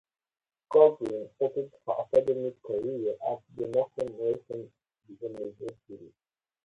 Godwin started her academic career at Northwestern University.